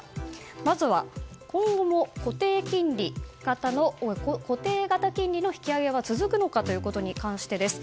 まずは、今後も固定型金利の引き上げは続くのかということに関してです。